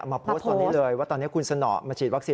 มาโพสต์ตอนนี้เลยว่าตอนนี้คุณสนอมาฉีดวัคซีน